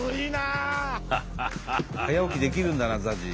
早起きできるんだなＺＡＺＹ。